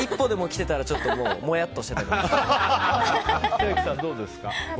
千秋さん、どうですか？